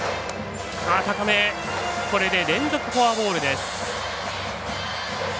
これで連続フォアボールです。